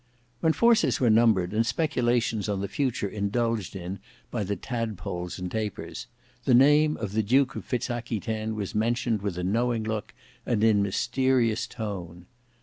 When forces were numbered, and speculations on the future indulged in by the Tadpoles and Tapers, the name of the Duke of Fitz Aquitaine was mentioned with a knowing look and in a mysterious tone.